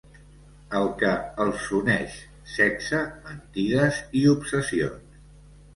El que els uneix: sexe, mentides i obsessions.